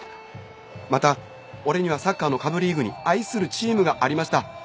また俺にはサッカーの下部リーグに愛するチームがありました。